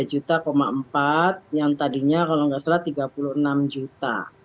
rp tiga puluh tiga empat juta yang tadinya kalau nggak salah rp tiga puluh enam juta